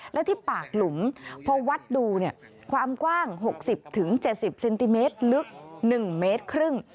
และที่ปากหลุมพอวัดดูความกว้าง๖๐๗๐เซนติเมตรลึก๑เมตรครึ่ง